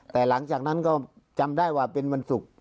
แต่หลังจากนั้นก็จำได้ว่าเป็นวันศุกร์